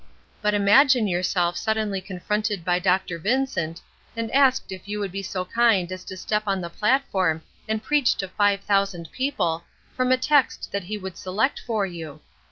But imagine yourself suddenly confronted by Dr. Vincent, and asked if you would be so kind as to step on the platform and preach to five thousand people, from a text that he would select for you!